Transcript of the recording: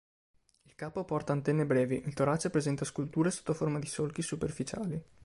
Il capo porta antenne brevi, il torace presenta sculture sotto forma di solchi superficiali.